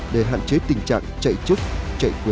để hạn chế tình trạng chạy chức chạy quyền chạy tội chạy lợi